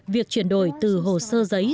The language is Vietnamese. việc chuyển đổi từ hồ sơ giấy